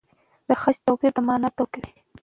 د خج توپیر د مانا توپیر کوي.